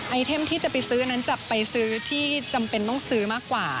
ไอเทมที่จะไปซื้อนั้นจะไปซื้อที่จำเป็นต้องซื้อมากกว่า